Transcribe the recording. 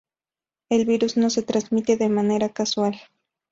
El virus no se transmite de manera casual.